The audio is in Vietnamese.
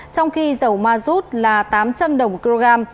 trong khi dầu mazut là tám trăm linh đồng một kg